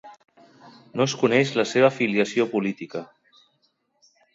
No es coneix la seva filiació política.